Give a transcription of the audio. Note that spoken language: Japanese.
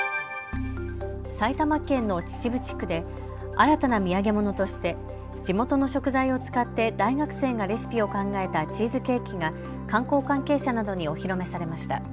埼玉県の秩父地区で新たな土産物として地元の食材を使って大学生がレシピを考えたチーズケーキが観光関係者などにお披露目されました。